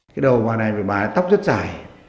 cái đầu bà này bà ấy tóc rất dài